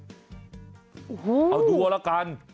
น์โอ้โหเอาด้วยกัน